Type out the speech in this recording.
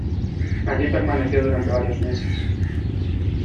Allí permaneció durante varios meses.